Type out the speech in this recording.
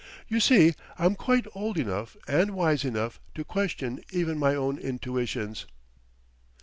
You see, I'm quite old enough and wise enough to question even my own intuitions."